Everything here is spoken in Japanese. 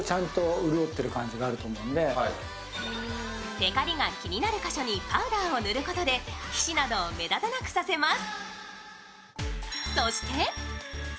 てかりが気になる箇所にパウダーなどを塗ることで皮脂などを目立たなくさせます。